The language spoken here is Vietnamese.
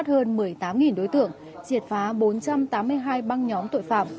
triệt phá bốn trăm tám mươi hai băng nhóm tội phạm